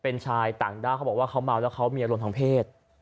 เป็นชายต่างด้าวเขาบอกว่าเขาเมาแล้วเขามีอารมณ์ทางเพศ